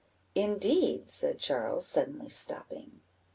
"Indeed!" said Charles, suddenly stopping.